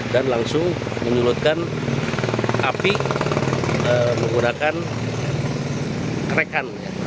dan langsung menyulutkan api menggunakan krekan